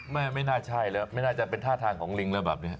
ไม่ไม่น่าใช่ละไม่น่าจะเป็นท่าทางของลิงละบันแบบนี้